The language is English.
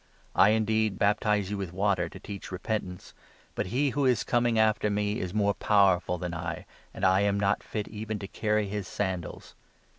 I, indeed, baptize you 1 1 with water to teach repentance ; but He who is Coming after me is more powerful than I, and I am not fit even to carry his sandals.